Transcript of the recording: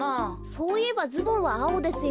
そういえばズボンはあおですよ。